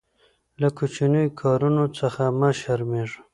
له کوچنیو کارونو څخه مه شرمېږه.